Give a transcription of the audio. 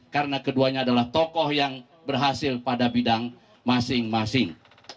karena keduanya adalah tokoh yang berhasil pada bidang masing masing